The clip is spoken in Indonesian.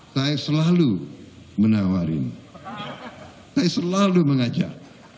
saya selalu menawarin saya selalu mengajak